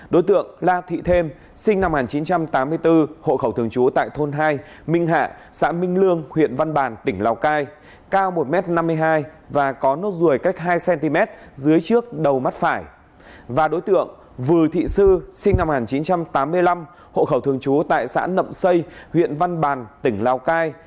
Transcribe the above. đối tượng vừa thị sư sinh năm một nghìn chín trăm tám mươi năm hộ khẩu thường chú tại xã nậm xây huyện văn bàn tỉnh lào cai